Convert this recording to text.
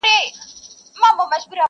په یوه ژبه ږغېږي سره خپل دي!!